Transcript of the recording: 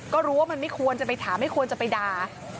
ก็รู้ว่ามันไม่ควรจะไปด่า